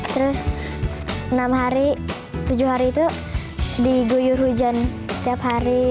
terus enam hari tujuh hari itu diguyur hujan setiap hari